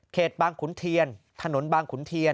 บางขุนเทียนถนนบางขุนเทียน